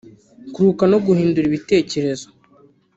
kuruhuka no guhindura ibitekerezo